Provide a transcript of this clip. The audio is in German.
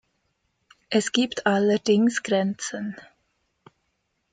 Es gibt allerdings Grenzen.